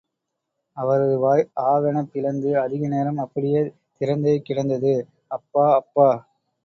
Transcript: அவரது வாய் ஆ வெனப் பிளந்து, அதிக நேரம் அப்படியே திறந்தே கிடந்தது. அப்பா அப்பா!